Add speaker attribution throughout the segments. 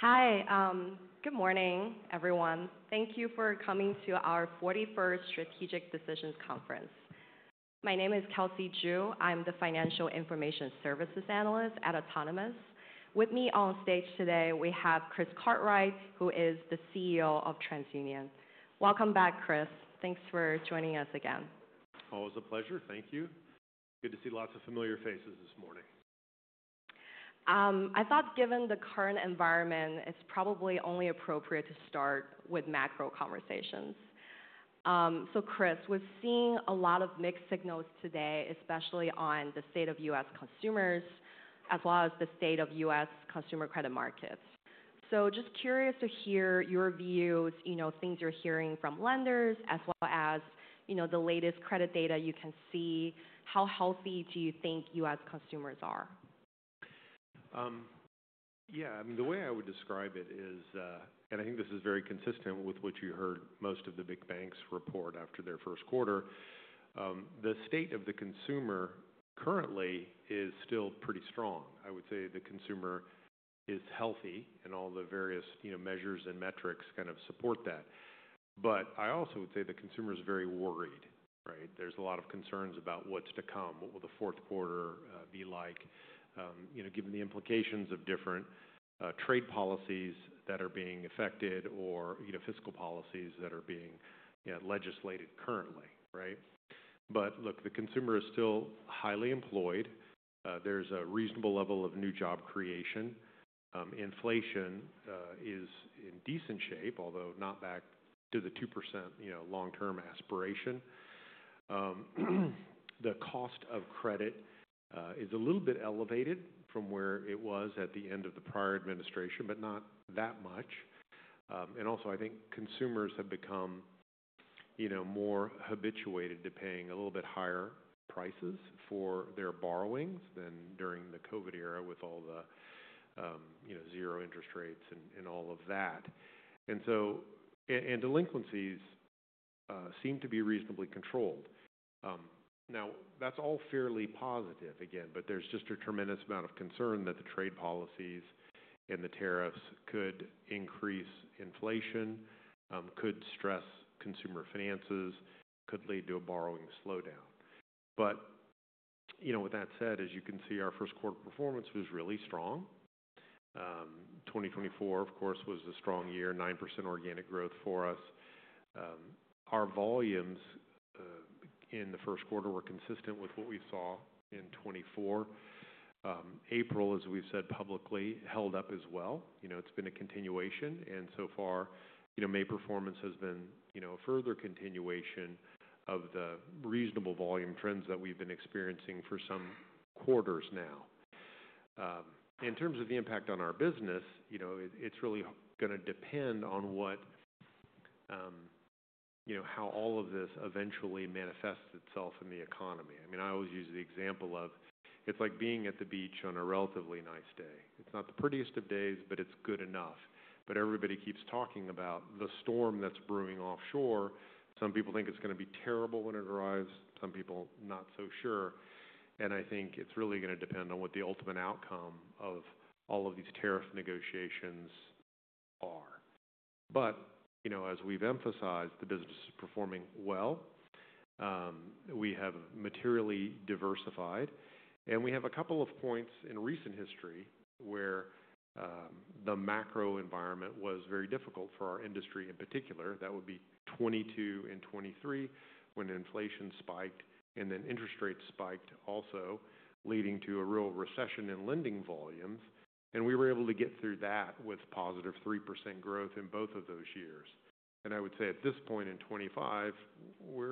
Speaker 1: Hi, good morning, everyone. Thank you for coming to our 41st Strategic Decisions Conference. My name is Kelsey Zhu. I'm the Financial Information Services Analyst at Autonomous. With me on stage today, we have Chris Cartwright, who is the CEO of TransUnion. Welcome back, Chris. Thanks for joining us again.
Speaker 2: Always a pleasure. Thank you. Good to see lots of familiar faces this morning.
Speaker 1: I thought, given the current environment, it's probably only appropriate to start with macro conversations. Chris, we're seeing a lot of mixed signals today, especially on the state of U.S. consumers as well as the state of U.S. consumer credit markets. Just curious to hear your views, things you're hearing from lenders, as well as the latest credit data. You can see how healthy do you think U.S. consumers are?
Speaker 2: Yeah, I mean, the way I would describe it is, and I think this is very consistent with what you heard most of the big banks report after their first quarter, the state of the consumer currently is still pretty strong. I would say the consumer is healthy, and all the various measures and metrics kind of support that. I also would say the consumer is very worried. There's a lot of concerns about what's to come, what will the fourth quarter be like, given the implications of different trade policies that are being affected or fiscal policies that are being legislated currently. Look, the consumer is still highly employed. There's a reasonable level of new job creation. Inflation is in decent shape, although not back to the 2% long-term aspiration. The cost of credit is a little bit elevated from where it was at the end of the prior administration, but not that much. I think consumers have become more habituated to paying a little bit higher prices for their borrowings than during the COVID era with all the zero interest rates and all of that and so Delinquencies seem to be reasonably controlled. Now, that's all fairly positive, again, there is just a tremendous amount of concern that the trade policies and the tariffs could increase inflation, could stress consumer finances, could lead to a borrowing slowdown. With that said, as you can see, our first quarter performance was really strong. 2024, of course, was a strong year, 9% organic growth for us. Our volumes in the first quarter were consistent with what we saw in 2024. April, as we've said publicly, held up as well. It's been a continuation. So far, May performance has been a further continuation of the reasonable volume trends that we've been experiencing for some quarters now. In terms of the impact on our business, it's really going to depend on how all of this eventually manifests itself in the economy. I mean, I always use the example of it's like being at the beach on a relatively nice day. It's not the prettiest of days, but it's good enough. Everybody keeps talking about the storm that's brewing offshore. Some people think it's going to be terrible when it arrives. Some people, not so sure. I think it's really going to depend on what the ultimate outcome of all of these tariff negotiations are. As we've emphasized, the business is performing well. We have materially diversified. We have a couple of points in recent history where the macro environment was very difficult for our industry in particular. That would be 2022 and 2023 when inflation spiked and then interest rates spiked also, leading to a real recession in lending volumes. We were able to get through that with +3% growth in both of those years. I would say at this point in 2025, we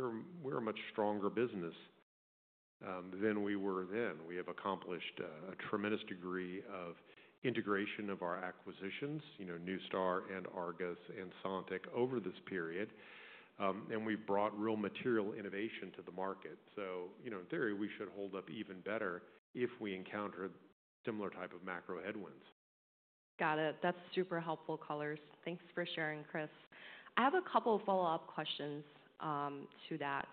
Speaker 2: are a much stronger business than we were then. We have accomplished a tremendous degree of integration of our acquisitions, Neustar and Argus and Sontiq over this period. We have brought real material innovation to the market. In theory, we should hold up even better if we encounter similar type of macro headwinds.
Speaker 1: Got it. That's super helpful, Colers. Thanks for sharing, Chris. I have a couple of follow-up questions to that.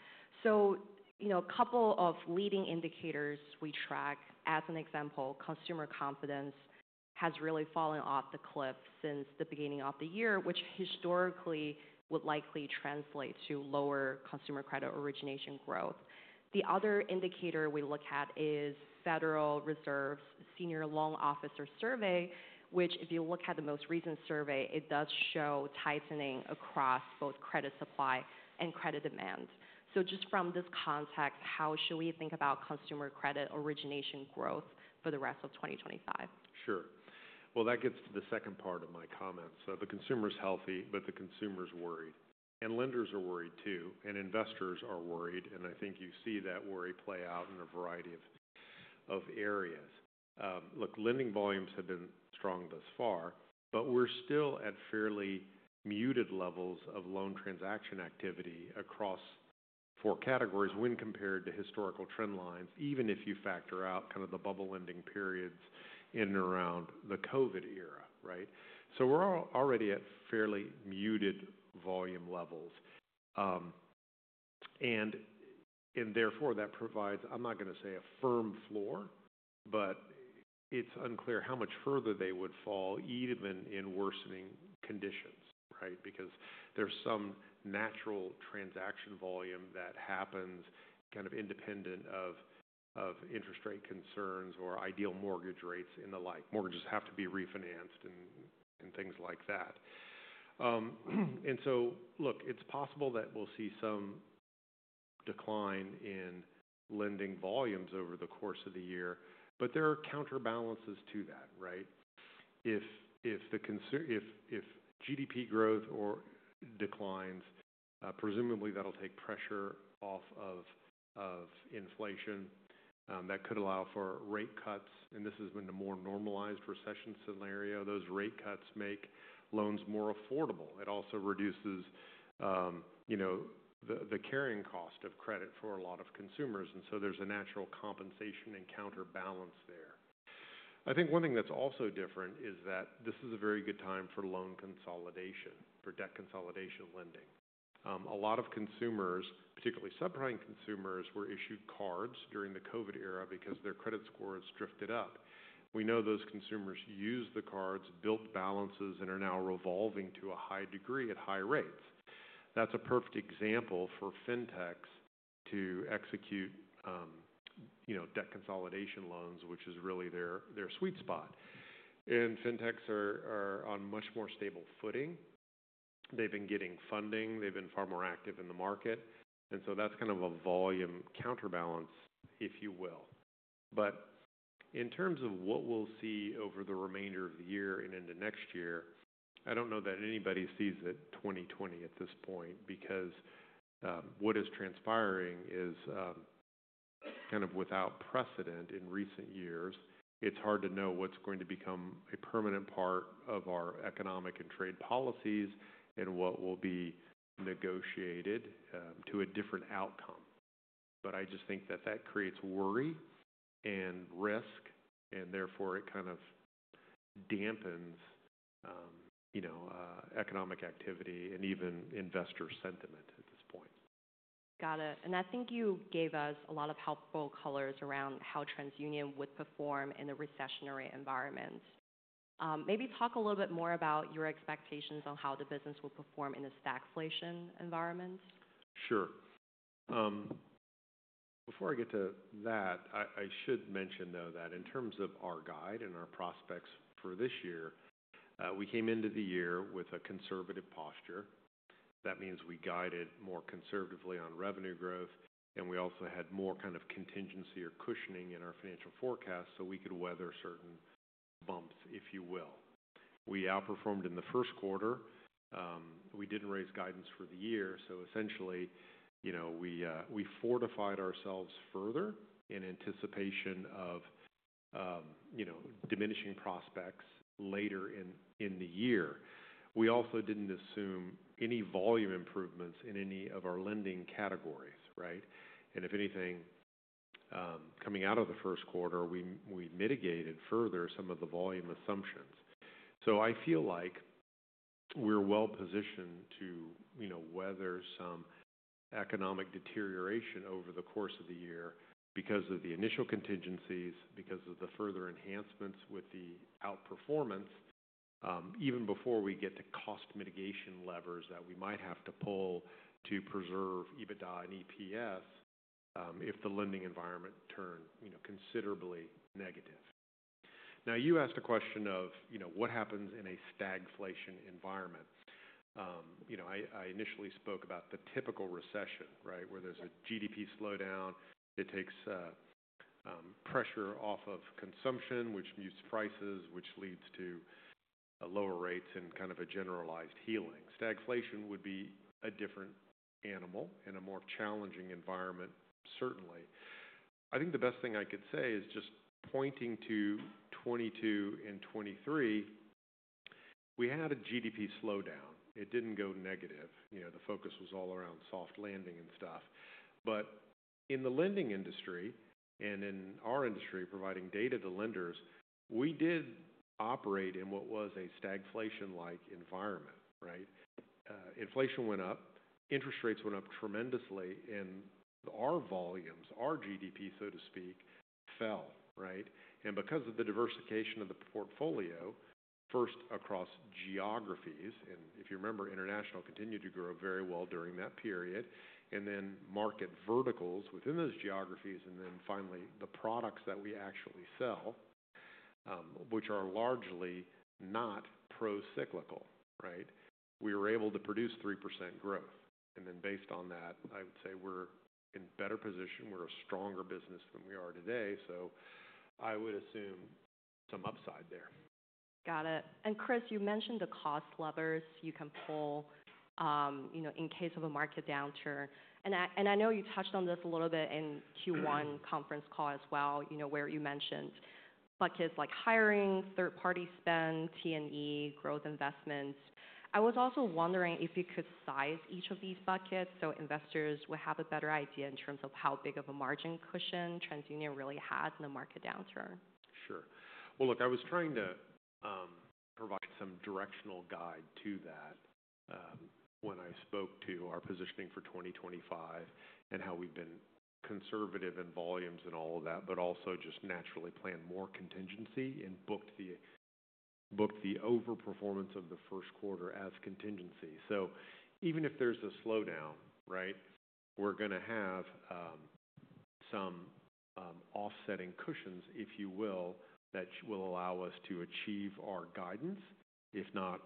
Speaker 1: A couple of leading indicators we track, as an example, consumer confidence has really fallen off the cliff since the beginning of the year, which historically would likely translate to lower consumer credit origination growth. The other indicator we look at is Federal Reserve's Senior Loan Officer Survey, which, if you look at the most recent survey, it does show tightening across both credit supply and credit demand. Just from this context, how should we think about consumer credit origination growth for the rest of 2025?
Speaker 2: Sure. That gets to the second part of my comments. The consumer is healthy, but the consumer is worried. Lenders are worried, too. Investors are worried. I think you see that worry play out in a variety of areas. Look, lending volumes have been strong thus far, but we're still at fairly muted levels of loan transaction activity across four categories when compared to historical trend lines, even if you factor out kind of the bubble-lending periods in and around the COVID era. We're already at fairly muted volume levels. Therefore, that provides, I'm not going to say a firm floor, but it's unclear how much further they would fall even in worsening conditions, because there's some natural transaction volume that happens kind of independent of interest rate concerns or ideal mortgage rates and the like. Mortgages have to be refinanced and things like that. Look, it's possible that we'll see some decline in lending volumes over the course of the year, but there are counterbalances to that. If GDP growth declines, presumably that'll take pressure off of inflation. That could allow for rate cuts. This has been a more normalized recession scenario. Those rate cuts make loans more affordable. It also reduces the carrying cost of credit for a lot of consumers. There's a natural compensation and counterbalance there. I think one thing that's also different is that this is a very good time for loan consolidation, for debt consolidation lending. A lot of consumers, particularly subprime consumers, were issued cards during the COVID era because their credit scores drifted up. We know those consumers use the cards, built balances, and are now revolving to a high degree at high rates. That is a perfect example for fintechs to execute debt consolidation loans, which is really their sweet spot. Fintechs are on much more stable footing. They have been getting funding. They have been far more active in the market. That is kind of a volume counterbalance, if you will. In terms of what we will see over the remainder of the year and into next year, I do not know that anybody sees it 2020 at this point, because what is transpiring is kind of without precedent in recent years. It is hard to know what is going to become a permanent part of our economic and trade policies and what will be negotiated to a different outcome. I just think that that creates worry and risk, and therefore it kind of dampens economic activity and even investor sentiment at this point.
Speaker 1: Got it. I think you gave us a lot of helpful colors around how TransUnion would perform in a recessionary environment. Maybe talk a little bit more about your expectations on how the business will perform in a stagflation environment.
Speaker 2: Sure. Before I get to that, I should mention, though, that in terms of our guide and our prospects for this year, we came into the year with a conservative posture. That means we guided more conservatively on revenue growth, and we also had more kind of contingency or cushioning in our financial forecast so we could weather certain bumps, if you will. We outperformed in the first quarter. We did not raise guidance for the year. Essentially, we fortified ourselves further in anticipation of diminishing prospects later in the year. We also did not assume any volume improvements in any of our lending categories. If anything, coming out of the first quarter, we mitigated further some of the volume assumptions. I feel like we're well positioned to weather some economic deterioration over the course of the year because of the initial contingencies, because of the further enhancements with the outperformance, even before we get to cost mitigation levers that we might have to pull to preserve EBITDA and EPS if the lending environment turned considerably negative. You asked a question of what happens in a stagflation environment. I initially spoke about the typical recession, where there's a GDP slowdown. It takes pressure off of consumption, which mutes prices, which leads to lower rates and kind of a generalized healing. Stagflation would be a different animal and a more challenging environment, certainly. I think the best thing I could say is just pointing to 2022 and 2023, we had a GDP slowdown. It didn't go negative. The focus was all around soft landing and stuff. In the lending industry and in our industry, providing data to lenders, we did operate in what was a stagflation-like environment. Inflation went up, interest rates went up tremendously, our volumes, our GDP, so to speak, fell. Because of the diversification of the portfolio, first across geographies, and if you remember, international continued to grow very well during that period, and then market verticals within those geographies, and then finally the products that we actually sell, which are largely not pro-cyclical, we were able to produce 3% growth. Based on that, I would say we're in better position. We're a stronger business than we are today. I would assume some upside there.
Speaker 1: Got it. Chris, you mentioned the cost levers you can pull in case of a market downturn. I know you touched on this a little bit in the Q1 conference call as well, where you mentioned buckets like hiring, third-party spend, T&E, growth investments. I was also wondering if you could size each of these buckets so investors would have a better idea in terms of how big of a margin cushion TransUnion really has in a market downturn.
Speaker 2: Sure. Look, I was trying to provide some directional guide to that when I spoke to our positioning for 2025 and how we've been conservative in volumes and all of that, but also just naturally planned more contingency and booked the overperformance of the first quarter as contingency. Even if there's a slowdown, we're going to have some offsetting cushions, if you will, that will allow us to achieve our guidance, if not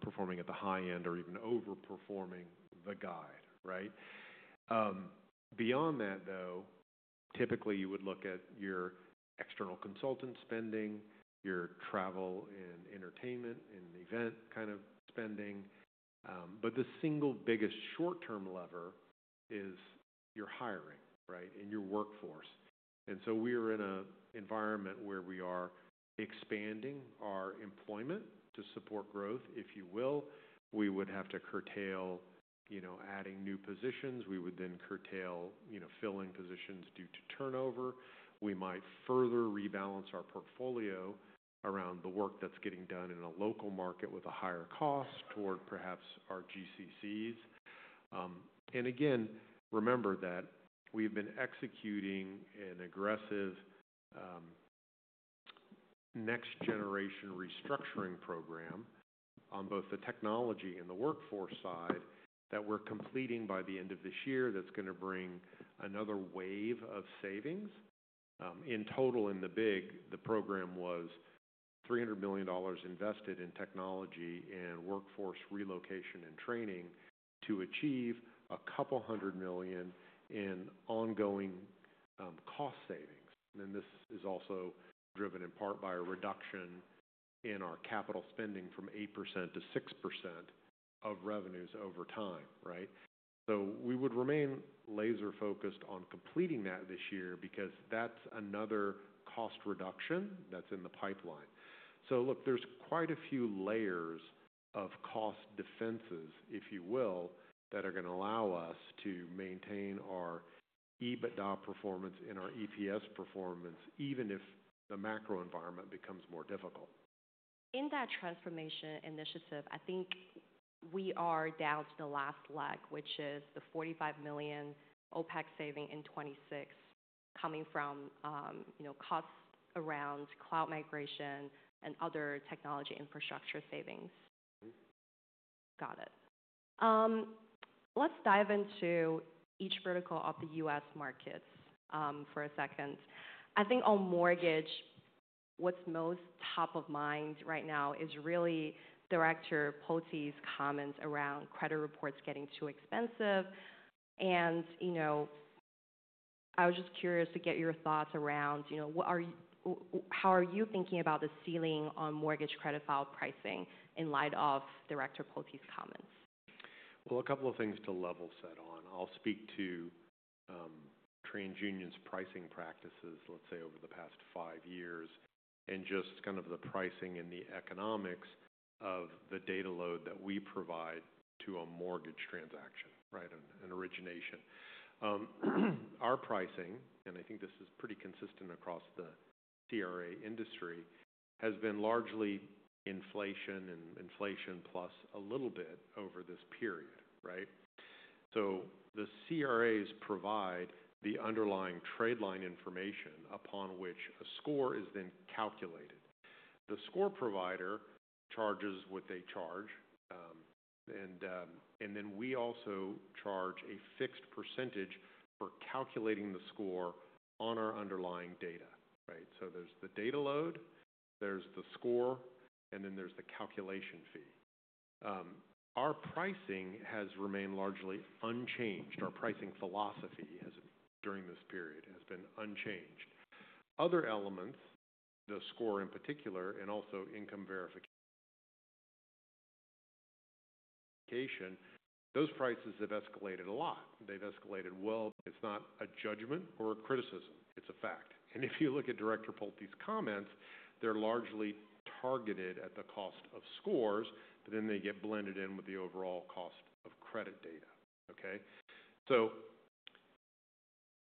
Speaker 2: performing at the high end or even overperforming the guide. Beyond that, though, typically you would look at your external consultant spending, your travel and entertainment and event kind of spending. The single biggest short-term lever is your hiring and your workforce. We are in an environment where we are expanding our employment to support growth, if you will. We would have to curtail adding new positions. We would then curtail filling positions due to turnover. We might further rebalance our portfolio around the work that's getting done in a local market with a higher cost toward perhaps our GCCs. Again, remember that we've been executing an aggressive next-generation restructuring program on both the technology and the workforce side that we're completing by the end of this year that's going to bring another wave of savings. In total, in the big, the program was $300 million invested in technology and workforce relocation and training to achieve a couple hundred million in ongoing cost savings. This is also driven in part by a reduction in our capital spending from 8%-6% of revenues over time. We would remain laser-focused on completing that this year because that's another cost reduction that's in the pipeline. Look, there's quite a few layers of cost defenses, if you will, that are going to allow us to maintain our EBITDA performance and our EPS performance, even if the macro environment becomes more difficult.
Speaker 1: In that transformation initiative, I think we are down to the last leg, which is the $45 million OpEx saving in 2026 coming from costs around cloud migration and other technology infrastructure savings. Got it. Let's dive into each vertical of the US markets for a second. I think on mortgage, what's most top of mind right now is really Director Pulte comments around credit reports getting too expensive. I was just curious to get your thoughts around how are you thinking about the ceiling on mortgage credit file pricing in light of Director Pulte comments?
Speaker 2: A couple of things to level set on. I'll speak to TransUnion's pricing practices, let's say, over the past five years and just kind of the pricing and the economics of the data load that we provide to a mortgage transaction, an origination. Our pricing, and I think this is pretty consistent across the CRA industry, has been largely inflation and inflation plus a little bit over this period. The CRAs provide the underlying trade line information upon which a score is then calculated. The score provider charges what they charge. We also charge a fixed percentage for calculating the score on our underlying data. There is the data load, there is the score, and then there is the calculation fee. Our pricing has remained largely unchanged. Our pricing philosophy during this period has been unchanged. Other elements, the score in particular and also income verification, those prices have escalated a lot. They've escalated well. It's not a judgment or a criticism. It's a fact. If you look at Director Pulte comments, they're largely targeted at the cost of scores, but then they get blended in with the overall cost of credit data.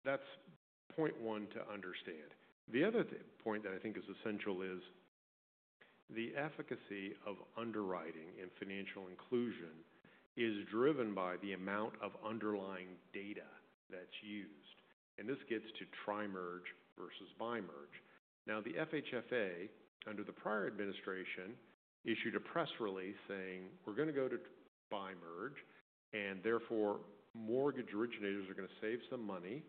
Speaker 2: That's point one to understand. The other point that I think is essential is the efficacy of underwriting and financial inclusion is driven by the amount of underlying data that's used. This gets to tri-merge versus bi-merge. Now, the FHFA, under the prior administration, issued a press release saying, "We're going to go to bi-merge, and therefore mortgage originators are going to save some money,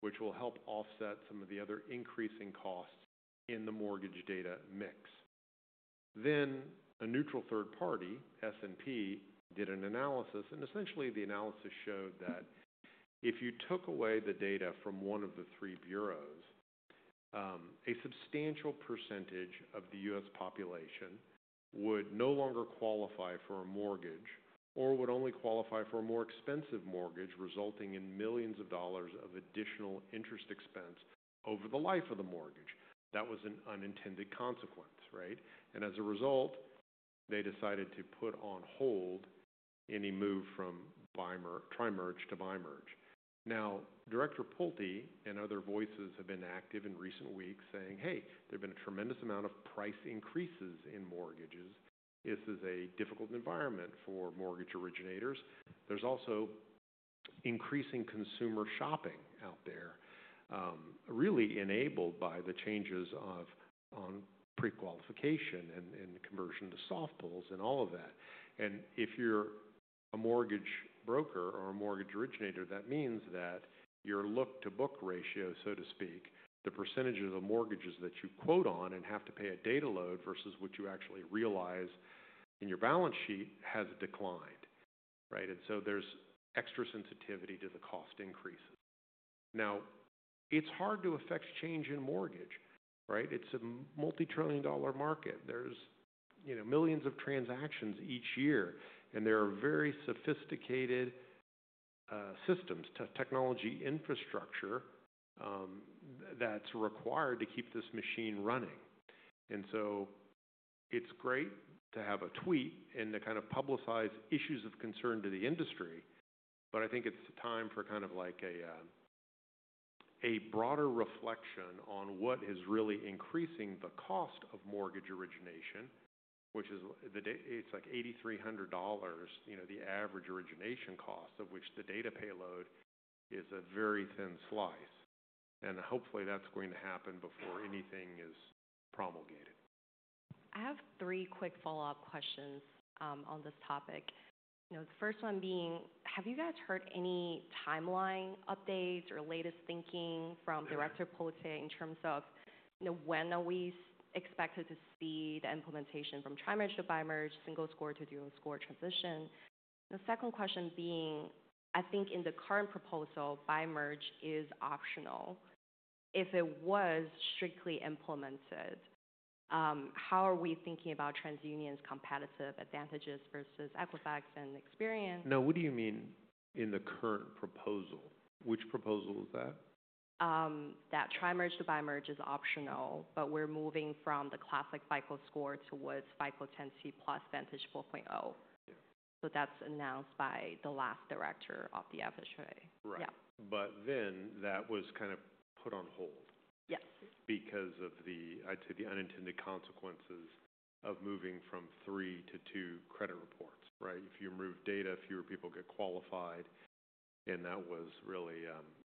Speaker 2: which will help offset some of the other increasing costs in the mortgage data mix." A neutral third party, S&P, did an analysis. Essentially, the analysis showed that if you took away the data from one of the three bureaus, a substantial percentage of the U.S. population would no longer qualify for a mortgage or would only qualify for a more expensive mortgage, resulting in millions of dollars of additional interest expense over the life of the mortgage. That was an unintended consequence. As a result, they decided to put on hold any move from tri-merge to bi-merge. Now, Director Pulte and other voices have been active in recent weeks saying, "Hey, there have been a tremendous amount of price increases in mortgages. This is a difficult environment for mortgage originators." There's also increasing consumer shopping out there, really enabled by the changes on pre-qualification and conversion to soft pulls and all of that. If you're a mortgage broker or a mortgage originator, that means that your look-to-book ratio, so to speak, the % of the mortgages that you quote on and have to pay a data load versus what you actually realize in your balance sheet has declined. There's extra sensitivity to the cost increases. Now, it's hard to affect change in mortgage. It's a multi-trillion dollar market. There are millions of transactions each year, and there are very sophisticated systems, technology infrastructure that's required to keep this machine running. It's great to have a tweet and to kind of publicize issues of concern to the industry, but I think it's time for kind of a broader reflection on what is really increasing the cost of mortgage origination, which is like $8,300, the average origination cost, of which the data payload is a very thin slice. Hopefully, that's going to happen before anything is promulgated.
Speaker 1: I have three quick follow-up questions on this topic. The first one being, have you guys heard any timeline updates or latest thinking from Director Pulte in terms of when are we expected to see the implementation from tri-merge to bi-merge, single score to dual score transition? The second question being, I think in the current proposal, bi-merge is optional. If it was strictly implemented, how are we thinking about TransUnion's competitive advantages versus Equifax and Experian?
Speaker 2: Now, what do you mean in the current proposal? Which proposal is that?
Speaker 1: That tri-merge to bi-merge is optional, but we're moving from the classic FICO score towards FICO 10T +Vantage 4.0. That was announced by the last director of the FHFA.
Speaker 2: Right. But then that was kind of put on hold because of the, I'd say, the unintended consequences of moving from three to two credit reports. If you remove data, fewer people get qualified. That was really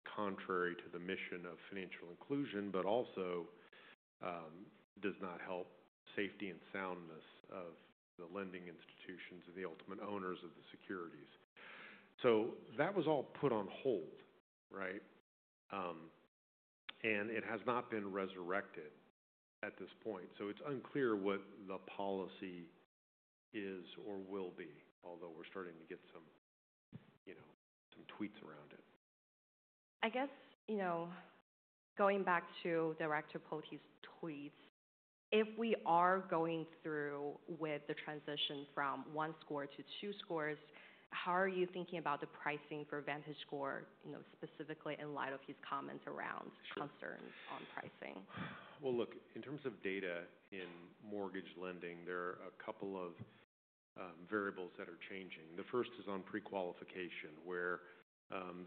Speaker 2: contrary to the mission of financial inclusion, but also does not help safety and soundness of the lending institutions and the ultimate owners of the securities. That was all put on hold, and it has not been resurrected at this point. It is unclear what the policy is or will be, although we're starting to get some tweets around it.
Speaker 1: I guess going back to Director Pulte's tweets, if we are going through with the transition from one score to two scores, how are you thinking about the pricing for VantageScore, specifically in light of his comments around concerns on pricing?
Speaker 2: Look, in terms of data in mortgage lending, there are a couple of variables that are changing. The first is on pre-qualification, where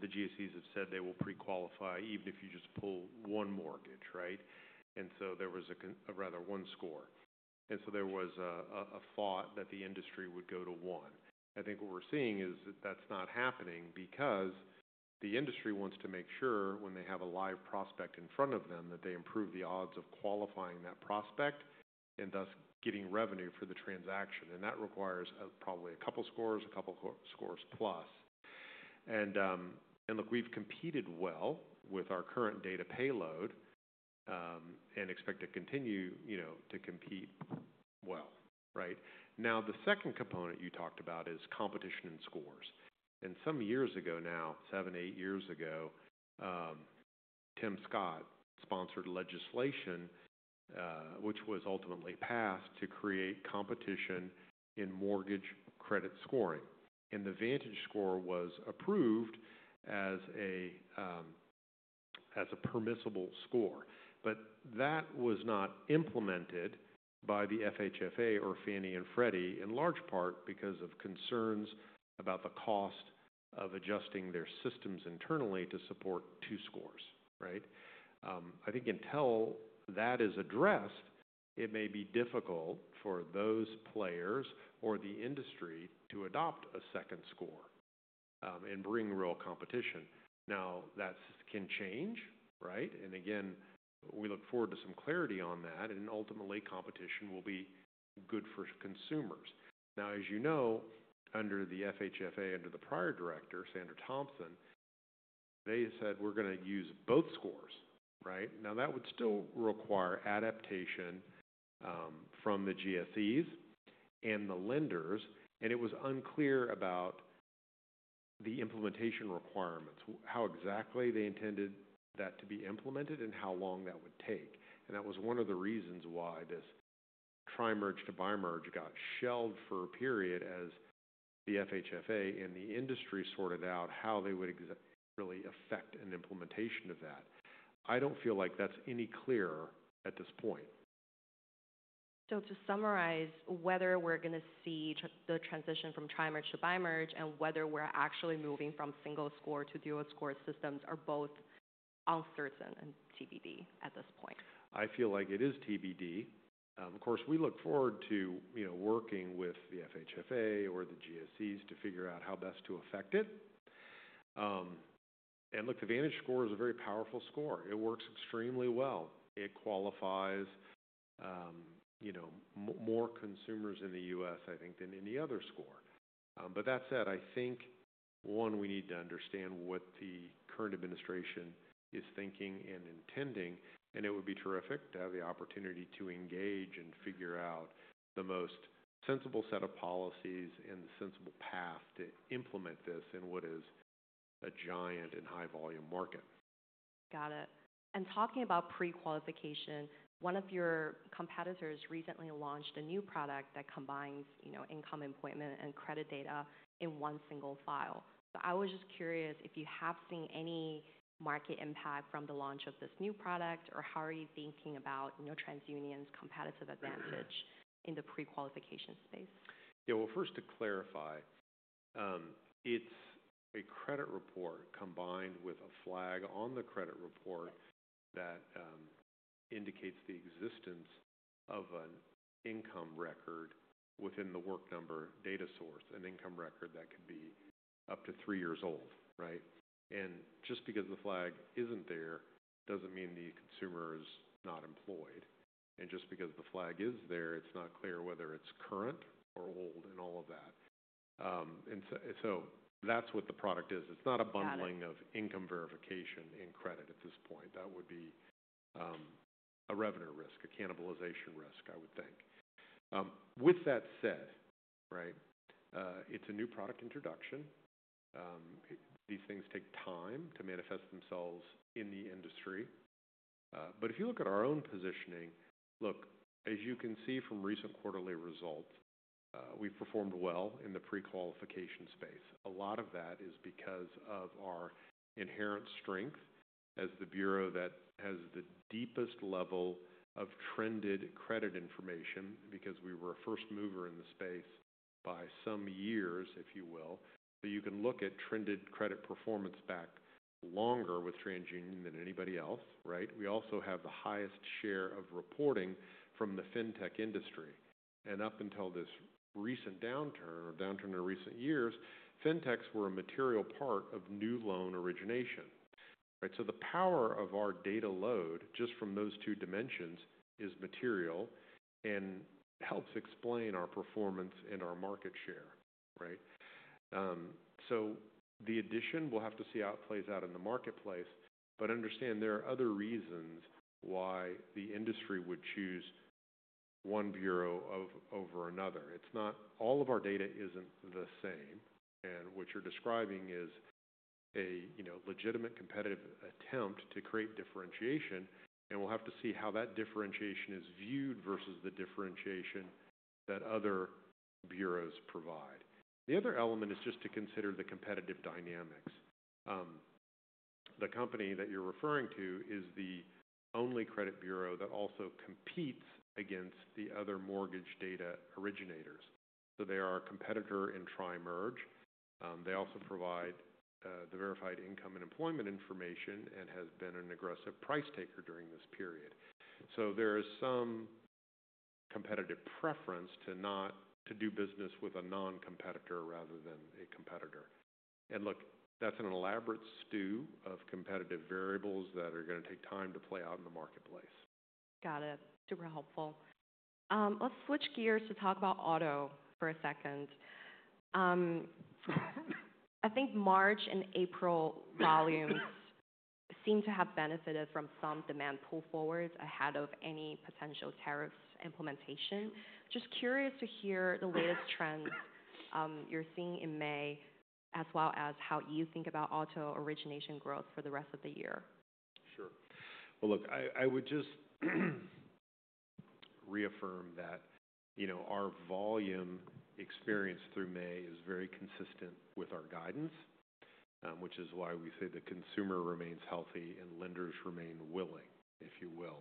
Speaker 2: the GSEs have said they will pre-qualify even if you just pull one mortgage, and so there was a rather one score. There was a thought that the industry would go to one. I think what we're seeing is that that's not happening because the industry wants to make sure when they have a live prospect in front of them that they improve the odds of qualifying that prospect and thus getting revenue for the transaction. That requires probably a couple scores, a couple scores plus. We've competed well with our current data payload and expect to continue to compete well. The second component you talked about is competition and scores. Some years ago now, seven, eight years ago, Tim Scott sponsored legislation, which was ultimately passed to create competition in mortgage credit scoring. The VantageScore was approved as a permissible score. That was not implemented by the FHFA or Fannie and Freddie in large part because of concerns about the cost of adjusting their systems internally to support two scores. I think until that is addressed, it may be difficult for those players or the industry to adopt a second score and bring real competition. That can change. Again, we look forward to some clarity on that. Ultimately, competition will be good for consumers. As you know, under the FHFA, under the prior director, Sandra Thompson, they said, "We're going to use both scores." That would still require adaptation from the GSEs and the lenders. It was unclear about the implementation requirements, how exactly they intended that to be implemented and how long that would take. That was one of the reasons why this tri-merge to bi-merge got shelved for a period as the FHFA and the industry sorted out how they would really affect an implementation of that. I don't feel like that's any clearer at this point.
Speaker 1: To summarize, whether we're going to see the transition from tri-merge to bi-merge and whether we're actually moving from single score to dual score systems are both uncertain and TBD at this point.
Speaker 2: I feel like it is TBD. Of course, we look forward to working with the FHFA or the GSCs to figure out how best to affect it. Look, the VantageScore is a very powerful score. It works extremely well. It qualifies more consumers in the U.S., I think, than any other score. That said, I think, one, we need to understand what the current administration is thinking and intending. It would be terrific to have the opportunity to engage and figure out the most sensible set of policies and the sensible path to implement this in what is a giant and high-volume market.
Speaker 1: Got it. Talking about pre-qualification, one of your competitors recently launched a new product that combines income, employment, and credit data in one single file. I was just curious if you have seen any market impact from the launch of this new product or how you are thinking about TransUnion's competitive advantage in the pre-qualification space?
Speaker 2: Yeah. First, to clarify, it's a credit report combined with a flag on the credit report that indicates the existence of an income record within the work number data source, an income record that could be up to three years old. Just because the flag isn't there doesn't mean the consumer is not employed. Just because the flag is there, it's not clear whether it's current or old and all of that. That's what the product is. It's not a bundling of income verification and credit at this point. That would be a revenue risk, a cannibalization risk, I would think. With that said, it's a new product introduction. These things take time to manifest themselves in the industry. If you look at our own positioning, as you can see from recent quarterly results, we've performed well in the pre-qualification space. A lot of that is because of our inherent strength as the bureau that has the deepest level of trended credit information because we were a first mover in the space by some years, if you will. You can look at trended credit performance back longer with TransUnion than anybody else. We also have the highest share of reporting from the fintech industry and Up until this recent downturn or downturn in recent years, fintechs were a material part of new loan origination. The power of our data load just from those two dimensions is material and helps explain our performance and our market share. The addition, we'll have to see how it plays out in the marketplace. Understand there are other reasons why the industry would choose one bureau over another. All of our data isn't the same. What you're describing is a legitimate competitive attempt to create differentiation. We'll have to see how that differentiation is viewed versus the differentiation that other bureaus provide. The other element is just to consider the competitive dynamics. The company that you're referring to is the only credit bureau that also competes against the other mortgage data originators. They are a competitor in tri-merge. They also provide the verified income and employment information and have been an aggressive price taker during this period. There is some competitive preference to do business with a non-competitor rather than a competitor. Look, that's an elaborate stew of competitive variables that are going to take time to play out in the marketplace.
Speaker 1: Got it. Super helpful. Let's switch gears to talk about auto for a second. I think March and April volumes seem to have benefited from some demand pull forwards ahead of any potential tariffs implementation. Just curious to hear the latest trends you're seeing in May, as well as how you think about auto origination growth for the rest of the year.
Speaker 2: Sure. I would just reaffirm that our volume experience through May is very consistent with our guidance, which is why we say the consumer remains healthy and lenders remain willing, if you will.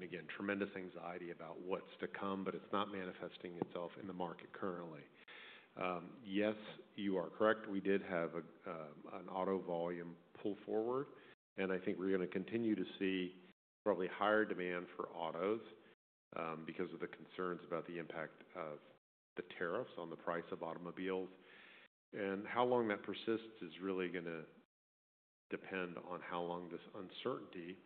Speaker 2: Again, tremendous anxiety about what's to come, but it's not manifesting itself in the market currently. Yes, you are correct. We did have an auto volume pull forward. I think we're going to continue to see probably higher demand for autos because of the concerns about the impact of the tariffs on the price of automobiles. How long that persists is really going to depend on how long this uncertainty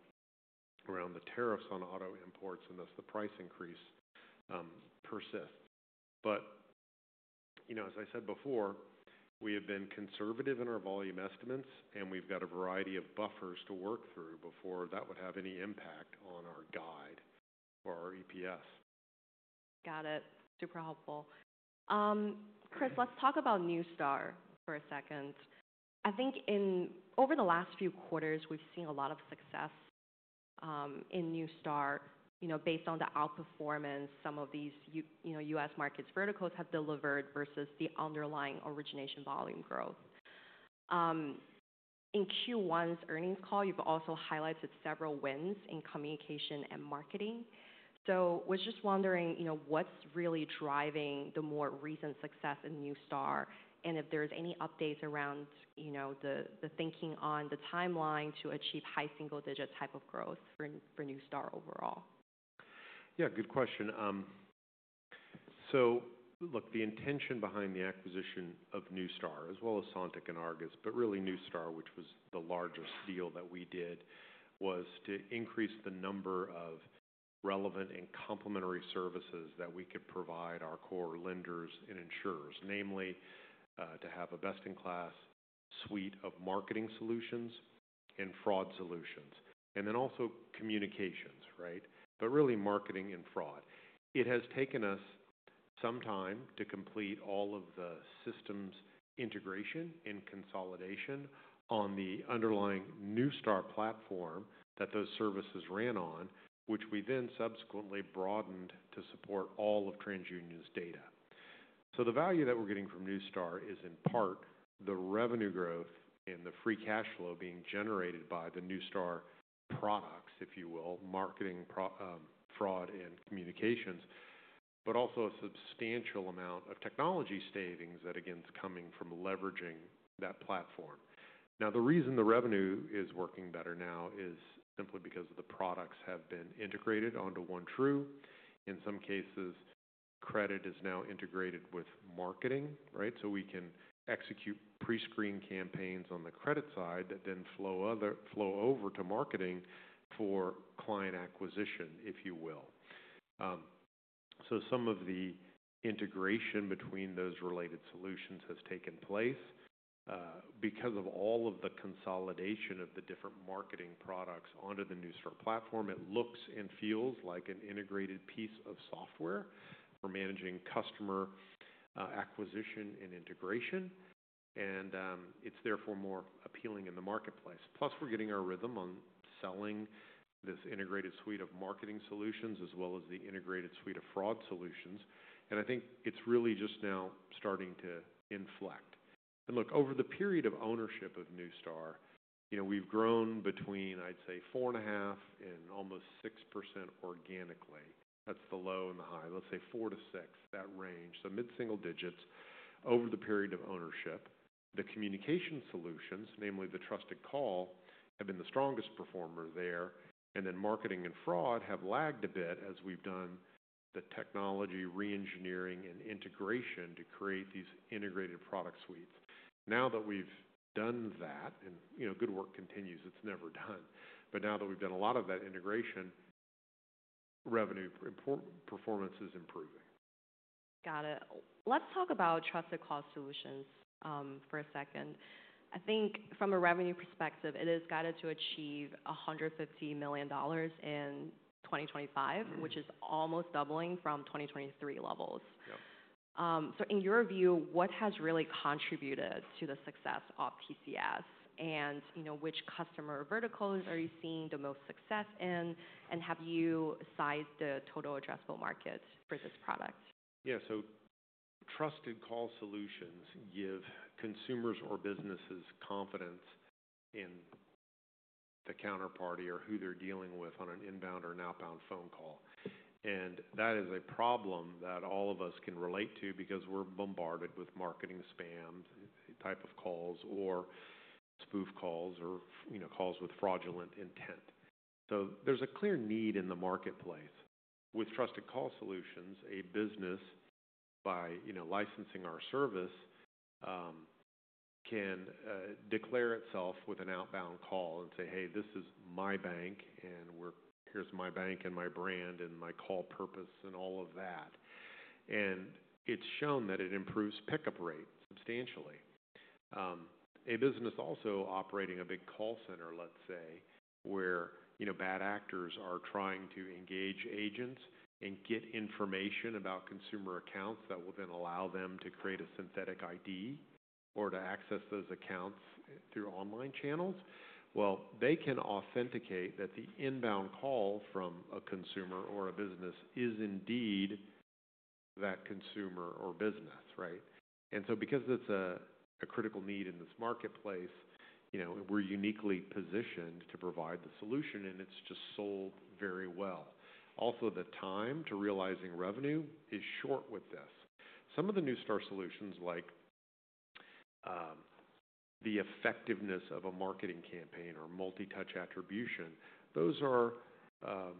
Speaker 2: around the tariffs on auto imports and thus the price increase persists. As I said before, we have been conservative in our volume estimates, and we've got a variety of buffers to work through before that would have any impact on our guide or our EPS.
Speaker 1: Got it. Super helpful. Chris, let's talk about Neustar for a second. I think over the last few quarters, we've seen a lot of success in Neustar based on the outperformance some of these US markets verticals have delivered versus the underlying origination volume growth. In Q1's earnings call, you've also highlighted several wins in communication and marketing. I was just wondering what's really driving the more recent success in Neustar and if there's any updates around the thinking on the timeline to achieve high single-digit type of growth for Neustar overall.
Speaker 2: Yeah, good question. Look, the intention behind the acquisition of Neustar, as well as Sontiq and Argus, but really Neustar, which was the largest deal that we did, was to increase the number of relevant and complementary services that we could provide our core lenders and insurers, namely to have a best-in-class suite of marketing solutions and fraud solutions, and then also communications, but really marketing and fraud. It has taken us some time to complete all of the systems integration and consolidation on the underlying Neustar platform that those services ran on, which we then subsequently broadened to support all of TransUnion's data. The value that we're getting from Neustar is in part the revenue growth and the free cash flow being generated by the Neustar products, if you will, marketing, fraud, and communications, but also a substantial amount of technology savings that, again, is coming from leveraging that platform. The reason the revenue is working better now is simply because the products have been integrated onto OneTru. In some cases, credit is now integrated with marketing. We can execute pre-screen campaigns on the credit side that then flow over to marketing for client acquisition, if you will. Some of the integration between those related solutions has taken place. Because of all of the consolidation of the different marketing products onto the Neustar platform, it looks and feels like an integrated piece of software for managing customer acquisition and integration. It is therefore more appealing in the marketplace. Plus, we're getting our rhythm on selling this integrated suite of marketing solutions as well as the integrated suite of fraud solutions. I think it's really just now starting to inflect. Look, over the period of ownership of Neustar, we've grown between, I'd say, 4.5% and almost 6% organically. That's the low and the high. Let's say 4%-6%, that range. So mid-single digits over the period of ownership. The communication solutions, namely the Trusted Call, have been the strongest performer there. Marketing and fraud have lagged a bit as we've done the technology re-engineering and integration to create these integrated product suites. Now that we've done that, and good work continues, it's never done. Now that we've done a lot of that integration, revenue performance is improving.
Speaker 1: Got it. Let's talk about Trusted Call Solutions for a second. I think from a revenue perspective, it is guided to achieve $150 million in 2025, which is almost doubling from 2023 levels. In your view, what has really contributed to the success of TCS? Which customer verticals are you seeing the most success in? Have you sized the total addressable market for this product?
Speaker 2: Yeah. Trusted Call Solutions give consumers or businesses confidence in the counterparty or who they're dealing with on an inbound or an outbound phone call. That is a problem that all of us can relate to because we're bombarded with marketing spam type of calls or spoof calls or calls with fraudulent intent. There is a clear need in the marketplace. With Trusted Call Solutions, a business, by licensing our service, can declare itself with an outbound call and say, "Hey, this is my bank, and here's my bank and my brand and my call purpose and all of that." It is shown that it improves pickup rate substantially. A business also operating a big call center, let's say, where bad actors are trying to engage agents and get information about consumer accounts that will then allow them to create a synthetic ID or to access those accounts through online channels, they can authenticate that the inbound call from a consumer or a business is indeed that consumer or business. Because it's a critical need in this marketplace, we're uniquely positioned to provide the solution, and it's just sold very well. Also, the time to realizing revenue is short with this. Some of the Neustar solutions, like the effectiveness of a marketing campaign or multi-touch attribution, those are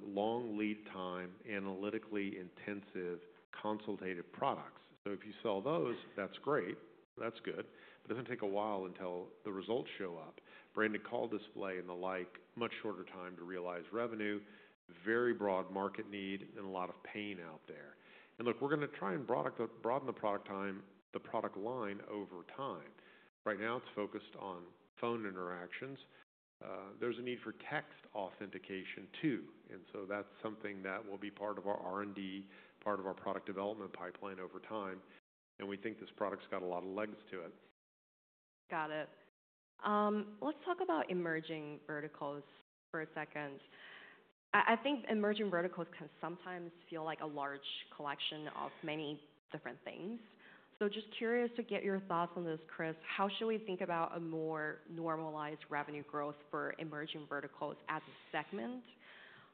Speaker 2: long lead time, analytically intensive, consultative products. If you sell those, that's great. That's good. But it does take a while until the results show up. Branded call display and the like, much shorter time to realize revenue, very broad market need, and a lot of pain out there. Look, we're going to try and broaden the product line over time. Right now, it's focused on phone interactions. There's a need for text authentication too. That's something that will be part of our R&D, part of our product development pipeline over time. We think this product's got a lot of legs to it.
Speaker 1: Got it. Let's talk about emerging verticals for a second. I think emerging verticals can sometimes feel like a large collection of many different things. Just curious to get your thoughts on this, Chris. How should we think about a more normalized revenue growth for emerging verticals as a segment?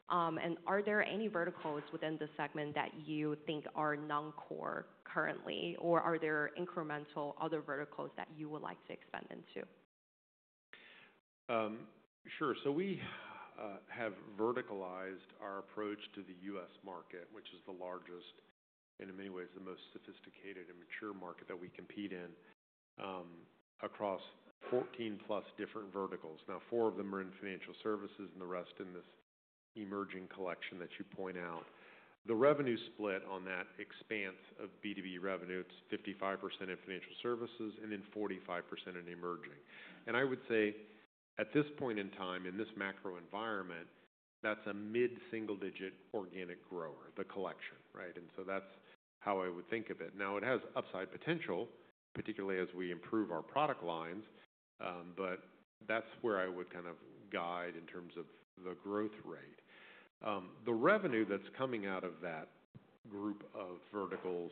Speaker 1: Are there any verticals within the segment that you think are non-core currently, or are there incremental other verticals that you would like to expand into?
Speaker 2: Sure. We have verticalized our approach to the US market, which is the largest and in many ways the most sophisticated and mature market that we compete in across 14+ different verticals. Now, four of them are in financial services and the rest in this emerging collection that you point out. The revenue split on that expanse of B2B revenue, it's 55% in financial services and then 45% in emerging. I would say at this point in time, in this macro environment, that's a mid-single-digit organic grower, the collection. That is how I would think of it. It has upside potential, particularly as we improve our product lines, but that's where I would kind of guide in terms of the growth rate. The revenue that's coming out of that group of verticals,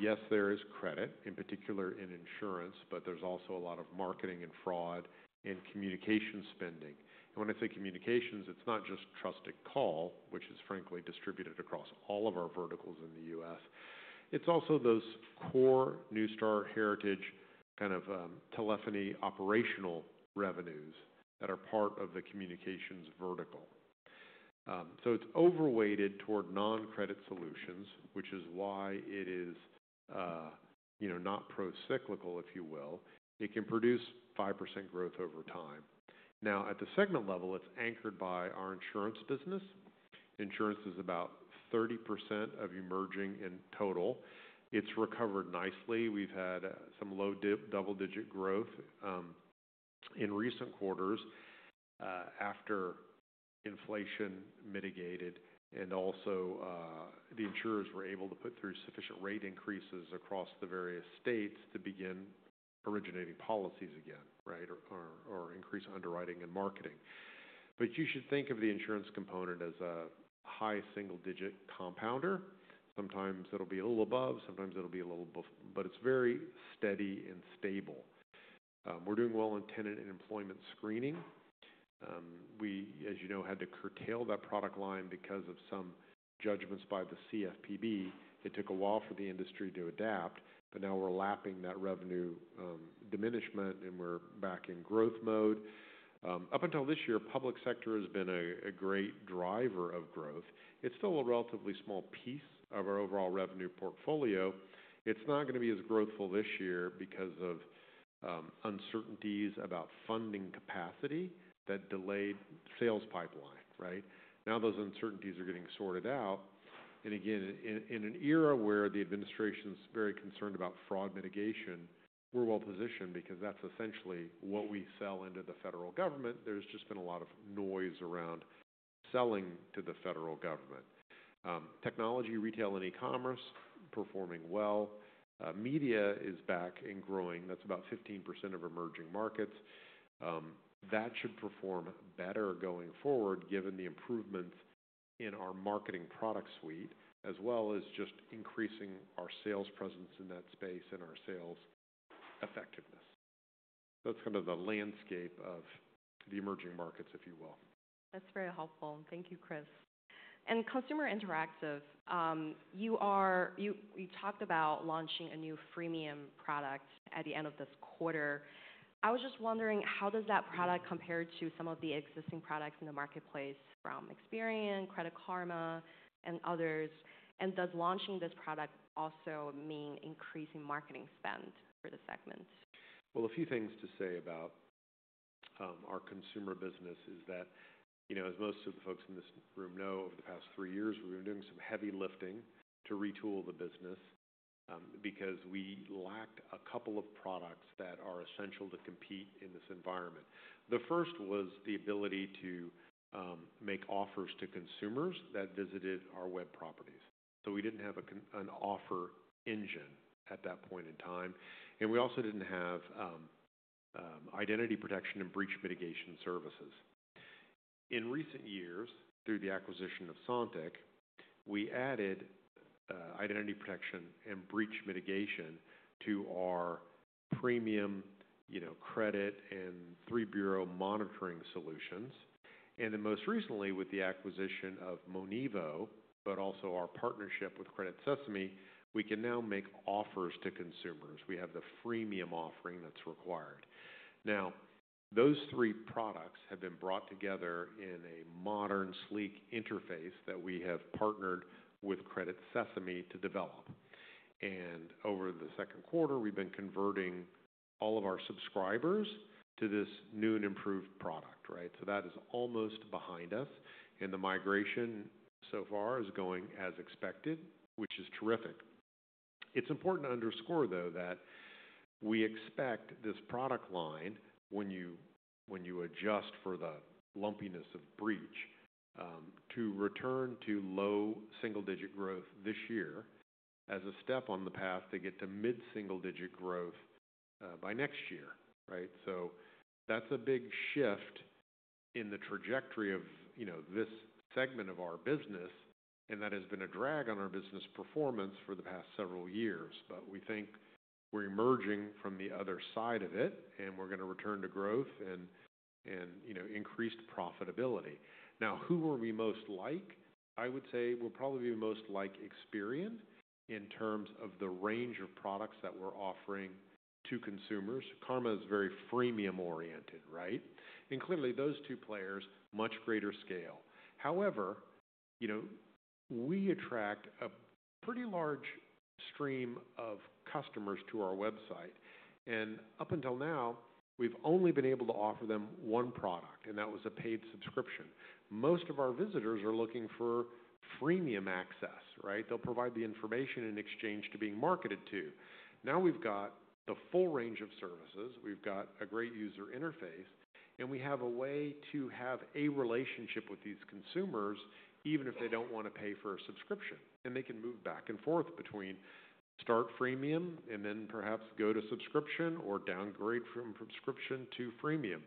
Speaker 2: yes, there is credit, in particular in insurance, but there's also a lot of marketing and fraud and communication spending. When I say communications, it's not just Trusted Call, which is frankly distributed across all of our verticals in the U.S. It's also those core Neustar heritage kind of telephony operational revenues that are part of the communications vertical. It's overweighted toward non-credit solutions, which is why it is not pro-cyclical, if you will. It can produce 5% growth over time. Now, at the segment level, it's anchored by our insurance business. Insurance is about 30% of emerging in total. It's recovered nicely. We've had some low double-digit growth in recent quarters after inflation mitigated, and also the insurers were able to put through sufficient rate increases across the various states to begin originating policies again or increase underwriting and marketing. You should think of the insurance component as a high single-digit compounder. Sometimes it'll be a little above, sometimes it'll be a little below, but it's very steady and stable. We're doing well in tenant and employment screening. We, as you know, had to curtail that product line because of some judgments by the CFPB. It took a while for the industry to adapt, but now we're lapping that revenue diminishment and we're back in growth mode. Up until this year, public sector has been a great driver of growth. It's still a relatively small piece of our overall revenue portfolio. It's not going to be as growthful this year because of uncertainties about funding capacity that delayed sales pipeline. Now those uncertainties are getting sorted out. In an era where the administration's very concerned about fraud mitigation, we're well positioned because that's essentially what we sell into the federal government. There's just been a lot of noise around selling to the federal government. Technology, retail, and e-commerce performing well. Media is back and growing. That's about 15% of emerging markets. That should perform better going forward given the improvements in our marketing product suite, as well as just increasing our sales presence in that space and our sales effectiveness. That's kind of the landscape of the emerging markets, if you will.
Speaker 1: That's very helpful. Thank you, Chris. In Consumer Interactive, you talked about launching a new freemium product at the end of this quarter. I was just wondering, how does that product compare to some of the existing products in the marketplace from Experian, Credit Karma, and others? Does launching this product also mean increasing marketing spend for the segment?
Speaker 2: A few things to say about our consumer business is that, as most of the folks in this room know, over the past three years, we've been doing some heavy lifting to retool the business because we lack a couple of products that are essential to compete in this environment. The first was the ability to make offers to consumers that visited our web properties. We didn't have an offer engine at that point in time. We also didn't have identity protection and breach mitigation services. In recent years, through the acquisition of Sontiq, we added identity protection and breach mitigation to our premium credit and three-bureau monitoring solutions. Most recently, with the acquisition of Monivo, but also our partnership with Credit Sesame, we can now make offers to consumers. We have the freemium offering that's required. Now, those three products have been brought together in a modern, sleek interface that we have partnered with Credit Sesame to develop. Over the second quarter, we've been converting all of our subscribers to this new and improved product. That is almost behind us. The migration so far is going as expected, which is terrific. It's important to underscore, though, that we expect this product line, when you adjust for the lumpiness of breach, to return to low single-digit growth this year as a step on the path to get to mid-single-digit growth by next year. That is a big shift in the trajectory of this segment of our business, and that has been a drag on our business performance for the past several years. We think we're emerging from the other side of it, and we're going to return to growth and increased profitability. Now, who are we most like? I would say we'll probably be most like Experian in terms of the range of products that we're offering to consumers. Karma is very freemium-oriented. Clearly, those two players, much greater scale. However, we attract a pretty large stream of customers to our website. Up until now, we've only been able to offer them one product, and that was a paid subscription. Most of our visitors are looking for freemium access. They'll provide the information in exchange to being marketed to. Now we've got the full range of services. We've got a great user interface, and we have a way to have a relationship with these consumers, even if they don't want to pay for a subscription. They can move back and forth between start freemium and then perhaps go to subscription or downgrade from subscription to freemium.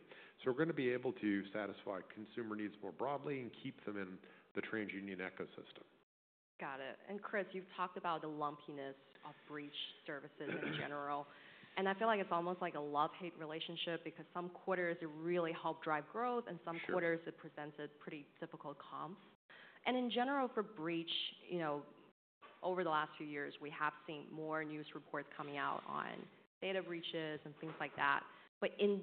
Speaker 2: We're going to be able to satisfy consumer needs more broadly and keep them in the TransUnion ecosystem.
Speaker 1: Got it. Chris, you've talked about the lumpiness of breach services in general. I feel like it's almost like a love-hate relationship because some quarters really help drive growth, and some quarters it presents a pretty difficult comp. In general, for breach, over the last few years, we have seen more news reports coming out on data breaches and things like that. In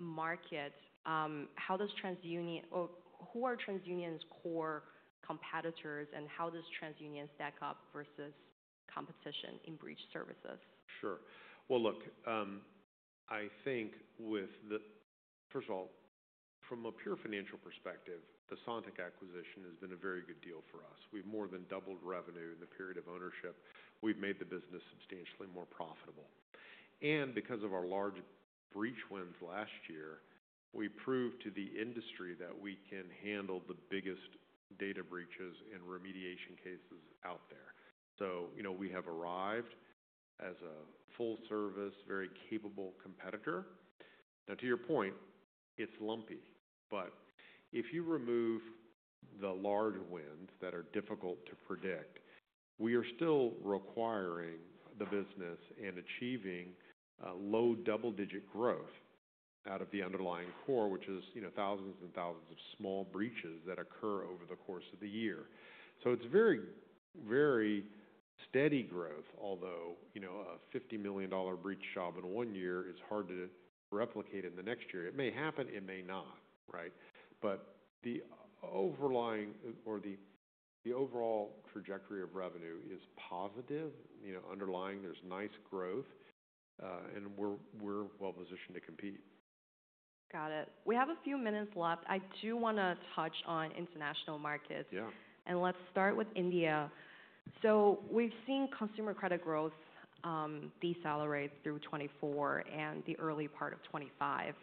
Speaker 1: this market, how does TransUnion or who are TransUnion's core competitors and how does TransUnion stack up versus competition in breach services?
Speaker 2: Sure. Look, I think first of all, from a pure financial perspective, the Sontiq acquisition has been a very good deal for us. We've more than doubled revenue in the period of ownership. We've made the business substantially more profitable. Because of our large breach wins last year, we proved to the industry that we can handle the biggest data breaches and remediation cases out there. We have arrived as a full-service, very capable competitor. To your point, it's lumpy. If you remove the large wins that are difficult to predict, we are still acquiring the business and achieving low double-digit growth out of the underlying core, which is thousands and thousands of small breaches that occur over the course of the year. It's very, very steady growth, although a $50 million breach job in one year is hard to replicate in the next year. It may happen. It may not. The overall trajectory of revenue is positive. Underlying, there's nice growth, and we're well positioned to compete.
Speaker 1: Got it. We have a few minutes left. I do want to touch on international markets. Let's start with India. We've seen consumer credit growth decelerate through 2024 and the early part of 2025.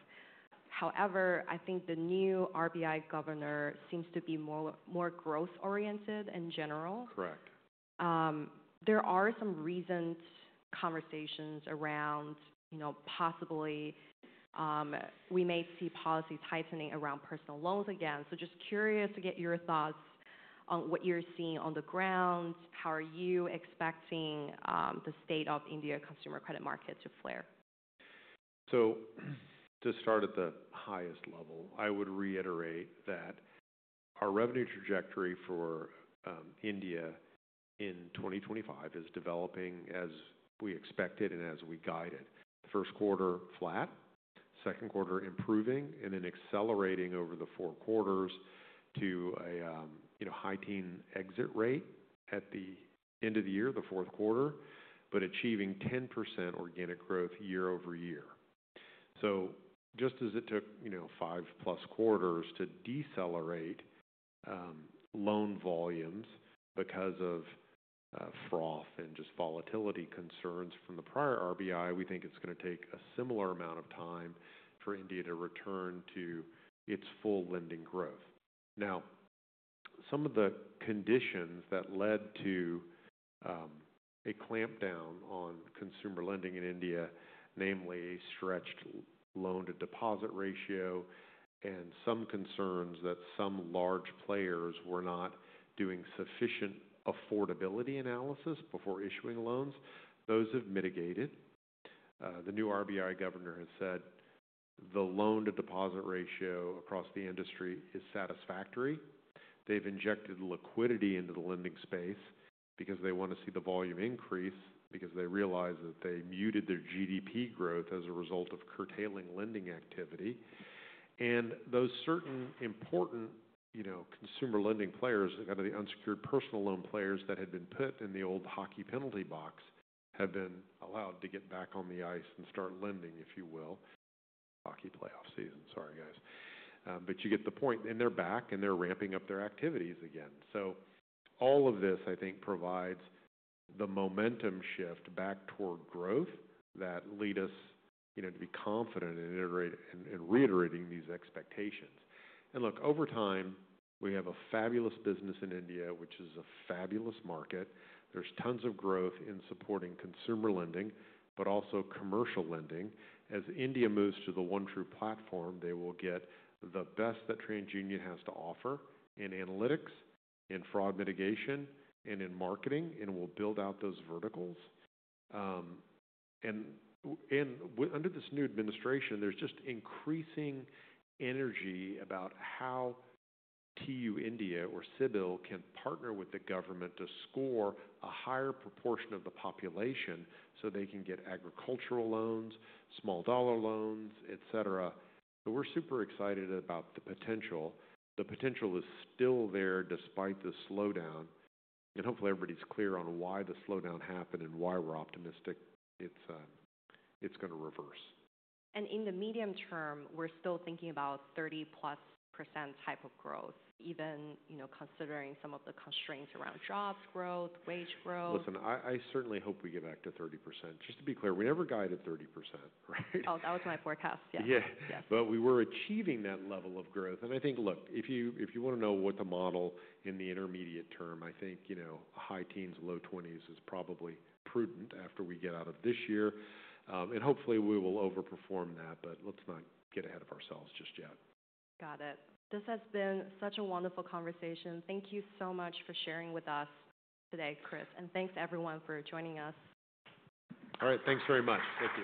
Speaker 1: However, I think the new RBI governor seems to be more growth-oriented in general.
Speaker 2: Correct.
Speaker 1: There are some recent conversations around possibly we may see policy tightening around personal loans again. Just curious to get your thoughts on what you're seeing on the ground. How are you expecting the state of India consumer credit market to flare?
Speaker 2: To start at the highest level, I would reiterate that our revenue trajectory for India in 2025 is developing as we expected and as we guided. First quarter flat, second quarter improving, and then accelerating over the four quarters to a high-teens exit rate at the end of the year, the fourth quarter, but achieving 10% organic growth year over year. Just as it took five-plus quarters to decelerate loan volumes because of froth and volatility concerns from the prior RBI, we think it's going to take a similar amount of time for India to return to its full lending growth. Now, some of the conditions that led to a clampdown on consumer lending in India, namely a stretched loan-to-deposit ratio and some concerns that some large players were not doing sufficient affordability analysis before issuing loans, those have mitigated. The new RBI governor has said the loan-to-deposit ratio across the industry is satisfactory. They've injected liquidity into the lending space because they want to see the volume increase because they realize that they muted their GDP growth as a result of curtailing lending activity. Those certain important consumer lending players, kind of the unsecured personal loan players that had been put in the old hockey penalty box, have been allowed to get back on the ice and start lending, if you will, hockey playoff season. Sorry, guys. You get the point. They're back, and they're ramping up their activities again. All of this, I think, provides the momentum shift back toward growth that led us to be confident in reiterating these expectations. Look, over time, we have a fabulous business in India, which is a fabulous market. There's tons of growth in supporting consumer lending, but also commercial lending. As India moves to the OneTru platform, they will get the best that TransUnion has to offer in analytics, in fraud mitigation, and in marketing, and will build out those verticals. Under this new administration, there's just increasing energy about how TU India or CIBIL can partner with the government to score a higher proportion of the population so they can get agricultural loans, small-dollar loans, etc. We're super excited about the potential. The potential is still there despite the slowdown. Hopefully, everybody's clear on why the slowdown happened and why we're optimistic it's going to reverse.
Speaker 1: In the medium term, we're still thinking about 30%+ type of growth, even considering some of the constraints around jobs growth, wage growth.
Speaker 2: Listen, I certainly hope we get back to 30%. Just to be clear, we never guided 30%.
Speaker 1: Oh, that was my forecast. Yeah.
Speaker 2: Yeah. We were achieving that level of growth. I think, look, if you want to know what the model in the intermediate term, I think high teens, low 20s is probably prudent after we get out of this year. Hopefully, we will overperform that, but let's not get ahead of ourselves just yet.
Speaker 1: Got it. This has been such a wonderful conversation. Thank you so much for sharing with us today, Chris. Thank you, everyone, for joining us.
Speaker 2: All right. Thanks very much. Thank you.